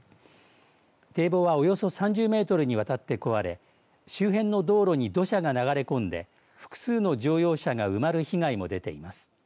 堤防はおよそ３０メートルにわたって壊れ周辺の道路に土砂が流れ込んで複数の乗用車が埋まる被害も出ています。